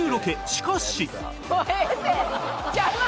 しかし